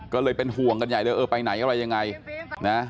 ก็เลยเป็นห่วงกันใหญ่เลยเออไปไหนอะไรยังไงนะ